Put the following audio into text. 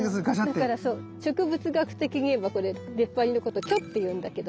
植物学的に言えばこれ出っ張りのこと「距」って言うんだけどさ。